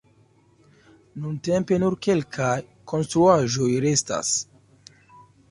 Nuntempe nur kelkaj konstruaĵoj restas.